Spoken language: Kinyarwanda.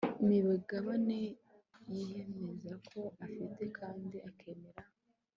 imigabane yiyemezako afite kandi akemera